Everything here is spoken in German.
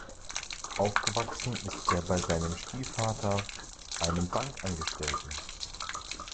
Aufgewachsen ist er bei seinem Stiefvater, einem Bankangestellten.